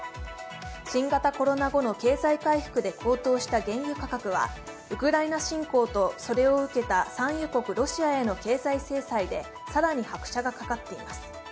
新型コロナ後の経済回復で高騰した原油価格はウクライナ侵攻とそれを受けた産油国・ロシアへの経済制裁で更に拍車がかかっています。